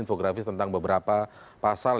infografis tentang beberapa pasal